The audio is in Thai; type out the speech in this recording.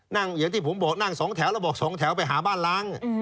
อย่างที่ผมบอกนั่ง๒แถวแล้วบอก๒แถวไปหาบ้านล้าง